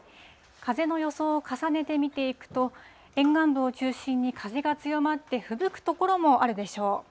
風の予想を重ねて見ていくと、沿岸部を中心に風が強まって、ふぶく所もあるでしょう。